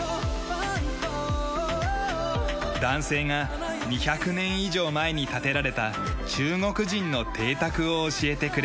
男性が２００年以上前に建てられた中国人の邸宅を教えてくれた。